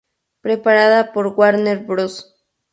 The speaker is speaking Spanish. Preparada por Warner Bros.